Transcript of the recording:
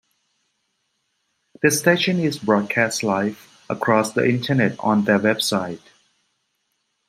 The station is broadcast live across the internet on their website.